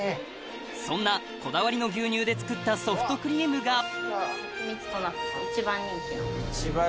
そんなこだわりの牛乳で作ったソフトクリームが一番人気の。